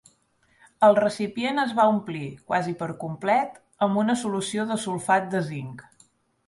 Es recipient es va omplir, quasi per complet, amb una solució de sulfat de zinc.